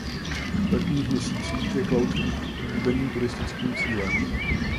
V letních měsících je Cloud Peak oblíbeným turistickým cílem.